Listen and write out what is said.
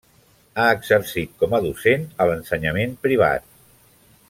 Ha exercit com a docent a l'ensenyament privat.